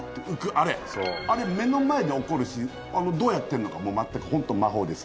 あれあれ目の前で起こるしどうやってんのかもうまったくホント魔法です